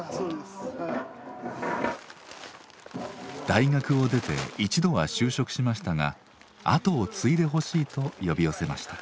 大学を出て一度は就職しましたが跡を継いでほしいと呼び寄せました。